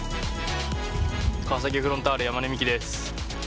川崎フロンターレ山根視来です。